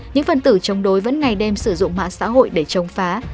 những phần tử chống đối vẫn ngày đêm sử dụng mạng xã hội để chống phá